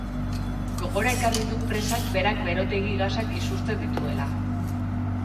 Gogora ekarri du presak berak berotegi gasak isurtzen dituela.